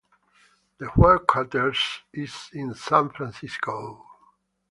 The headquarters is in San Francisco.